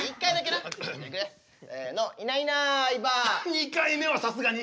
２回目はさすがに。